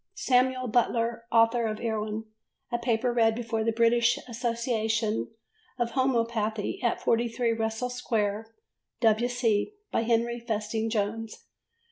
Samuel Butler Author of Erewhon, a Paper read before the British Association of Homœopathy at 43 Russell Square, W.C., by Henry Festing Jones.